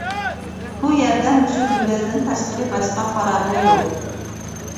بۇ يەردە مۇشۇ گۈمبەزدىن تاشقىرى باشقا خارابە يوق.